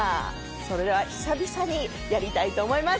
それでは久々にやりたいと思います。